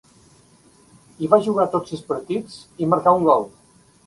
Hi va jugar tots sis partits, i marcà un gol.